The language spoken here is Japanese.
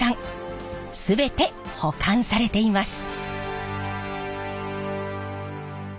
全て保管されています。